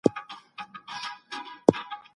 د جرګي په پريکړو کي به د ټولو غړو رضایت اخیستل کيده.